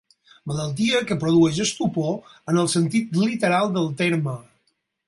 Malaltia que produeix estupor en el sentit literal del terme.